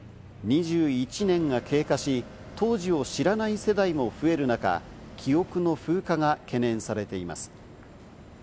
２１年が経過し、当時を知らない世代も増える中、記憶の風化が懸念されています。